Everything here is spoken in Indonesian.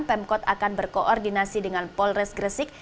pemkot akan berkoordinasi dengan polres gresik